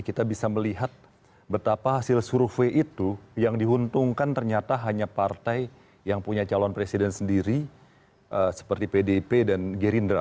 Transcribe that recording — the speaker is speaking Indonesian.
kita bisa melihat betapa hasil survei itu yang diuntungkan ternyata hanya partai yang punya calon presiden sendiri seperti pdip dan gerindra